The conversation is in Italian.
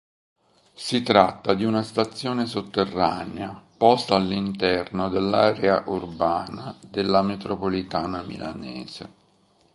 Si tratta di una stazione sotterranea, posta all'interno dell'area urbana della metropolitana milanese.